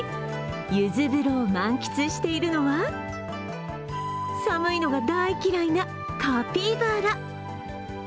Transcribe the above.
ゆず風呂を満喫しているのは、寒いのが大嫌いなカピバラ。